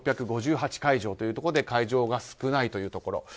２６５８会場ということで会場が少ないというところ。